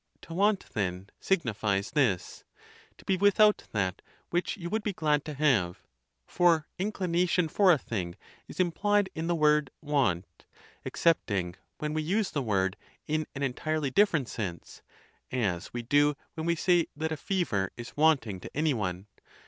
To want, then, signifies this: to be without that which you would be glad to have; for inclination for a thing is*implied in the word want, excepting when we use the word in an entirely different sense, as we do when we say that a fever is wanting to any one.